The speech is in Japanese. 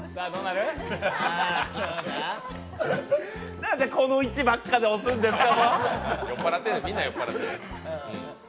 なんで、この位置ばっかで押すんですか。